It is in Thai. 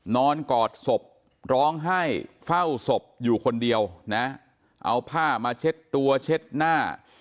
กอดศพร้องไห้เฝ้าศพอยู่คนเดียวนะเอาผ้ามาเช็ดตัวเช็ดหน้า